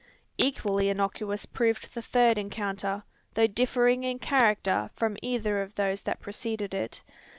Equally innocuous proved the third encounter, though differing in character from either of those that preceded it.